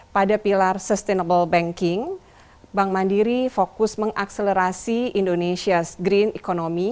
pada pilar sustainable banking bank mandiri fokus mengakselerasi indonesia green economy